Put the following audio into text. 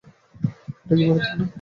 এটা কি মারাত্মক না?